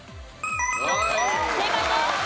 正解です。